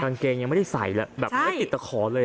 กางเกงยังไม่ได้ใส่แล้วแบบไม่ติดตะขอเลย